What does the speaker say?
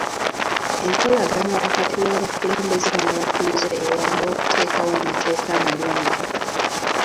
Enkolagana wakati w'abakulembeze n'abatuuze eyamba okuteekawo amateeka amalungi.